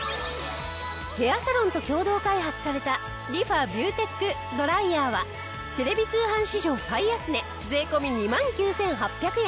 ヘアサロンと共同開発されたリファビューテックドライヤーはテレビ通販史上最安値税込２万９８００円。